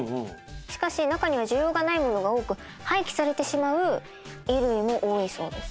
しかし中には需要がないものが多く廃棄されてしまう衣類も多いそうです。